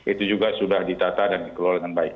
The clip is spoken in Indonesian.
itu juga sudah ditata dan dikelola dengan baik